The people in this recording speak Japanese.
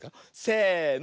せの。